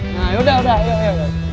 nah yaudah yaudah